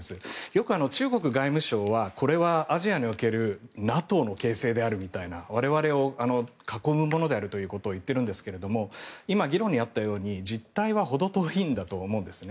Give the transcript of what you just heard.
よく中国外務省はこれはアジアにおけるＮＡＴＯの形成であるみたいな我々を囲うものであるみたいなことを言っているんですけど今、議論にあったように実態はほど遠いんだと思っているんです。